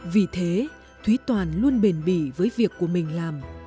vì thế thúy toàn luôn bền bỉ với việc của mình làm